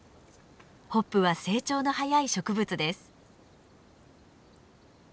ホップは成長の速い植物です。